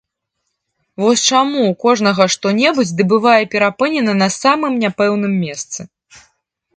Вось чаму ў кожнага што-небудзь ды бывае перапынена на самым няпэўным месцы.